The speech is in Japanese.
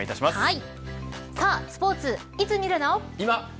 さぁスポーツいつ見るの。